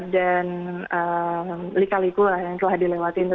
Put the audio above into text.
dan lika liku lah yang telah dilewati itu